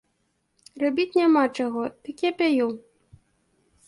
Рабіць няма чаго, дык я пяю.